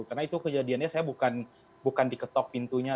karena itu kejadiannya saya bukan di ketok pintunya